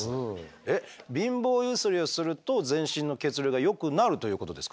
えっ貧乏ゆすりをすると全身の血流がよくなるということですか？